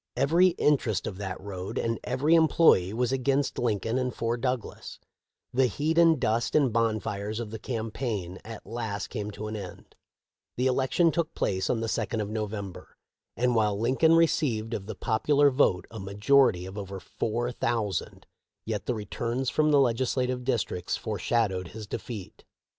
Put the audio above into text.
Every interest of that road and every employee was against Lincoln and for Douglas." The heat and dust and bonfires of the campaign • Henry C. Whitney, MS., July 21, 1865. THE LIFE OF LINCOLN. 413 at last came to an end. The election took place on the second of November, and while Lincoln received of the popular vote a majority of over four thou sand, yet the returns from the legislative districts foreshadowed his defeat.